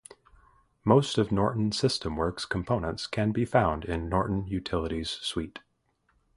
Most of Norton SystemWorks components can be found in Norton Utilities suite.